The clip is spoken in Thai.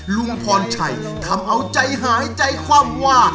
ลุงพรชัยทำเอาใจหายใจคว่ำว่า